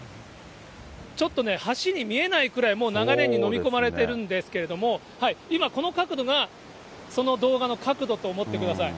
ちょっとね、橋に見えないぐらい、もう流れに飲み込まれてるんですけれども、今、この角度が、その動画の角度と思ってください。